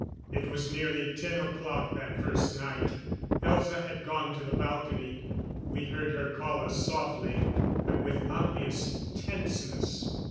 It was nearly ten o'clock that first night. Elza had gone to the balcony. We heard her call us softly, but with obvious tenseness.